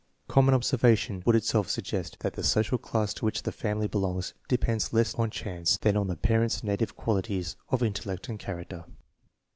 Common observation would itself suggest that the social class to which the family belongs depends less on chance than on the parents' native qualities of intellect and character.